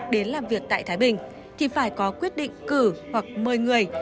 đến làm việc tại thái bình thì phải có quyết định cử hoặc mời người